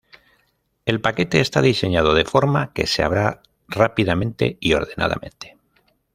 El paquete está diseñado de forma que se abra rápida y ordenadamente.